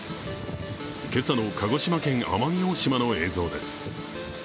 今朝の鹿児島県奄美大島の映像です。